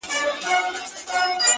o نو شاعري څه كوي؛